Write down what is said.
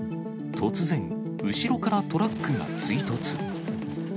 突然、後ろからトラックが追突。